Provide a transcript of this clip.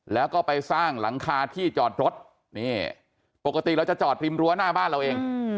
แล้วก็ไปสร้างหลังคาที่จอดรถนี่ปกติเราจะจอดริมรั้วหน้าบ้านเราเอง